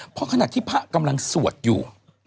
เพราะขณะที่พระกำลังสวดอยู่